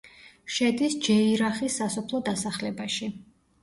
შედის ჯეირახის სასოფლო დასახლებაში.